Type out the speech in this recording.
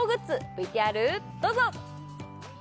ＶＴＲどうぞ！